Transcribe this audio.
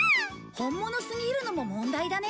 本物すぎるのも問題だね